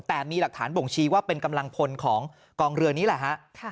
แต่มีหลักฐานบ่งชี้ว่าเป็นกำลังพลของกองเรือนี้แหละฮะ